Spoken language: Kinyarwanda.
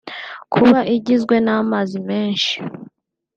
Kuba igizwe n’amazi menshi